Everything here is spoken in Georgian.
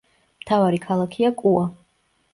მთავარი ქალაქია კუა.